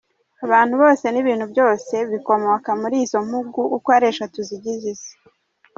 Abantu bose n’ibintu byose bikomoka muri izo mpugu uko ari eshatu zigize “Isi”.